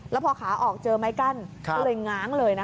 แล้วพอขาออกเจอไม้กั้นก็เลยง้างเลยนะ